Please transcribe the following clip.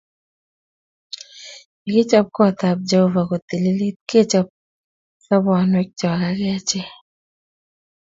Ye kichab kot ab Jehova kotilit, kechob sobonwek chok akichek